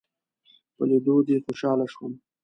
په ليدو دې خوشحاله شوم